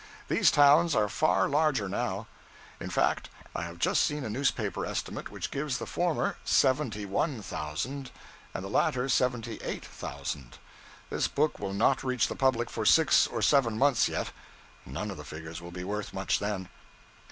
These towns are far larger now. In fact, I have just seen a newspaper estimate which gives the former seventy one thousand, and the latter seventy eight thousand. This book will not reach the public for six or seven months yet; none of the figures will be worth much then.